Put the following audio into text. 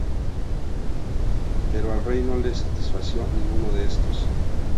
Pero al rey no le satisfizo ninguno de estos.